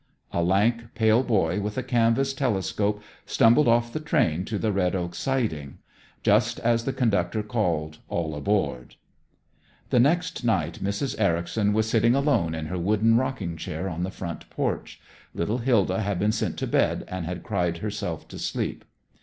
A lank, pale boy with a canvas telescope stumbled off the train to the Red Oak siding, just as the conductor called, "All aboard!" The next night Mrs. Ericson was sitting alone in her wooden rocking chair on the front porch. Little Hilda had been sent to bed and had cried herself to sleep.